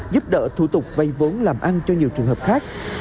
giúp đỡ thủ tục vay vốn làm ăn cho nhiều trường hợp khác